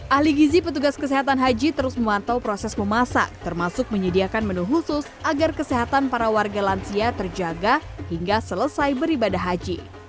ahli gizi petugas kesehatan haji terus memantau proses memasak termasuk menyediakan menu khusus agar kesehatan para warga lansia terjaga hingga selesai beribadah haji